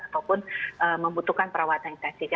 ataupun membutuhkan perawatan intensif